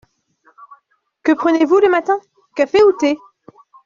Que prenez-vous le matin ? Café ou thé ?